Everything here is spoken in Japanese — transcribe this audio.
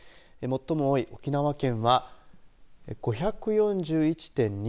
最も多い沖縄県は５４１．２３人。